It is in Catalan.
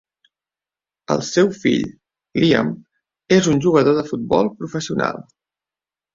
El seu fill, Liam, és un jugador de futbol professional.